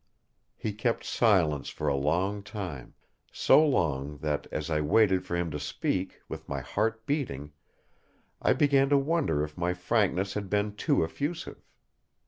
He kept silence for a long time; so long that, as I waited for him to speak, with my heart beating, I began to wonder if my frankness had been too effusive.